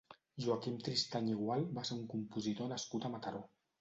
Joaquim Tristany i Gual va ser un compositor nascut a Mataró.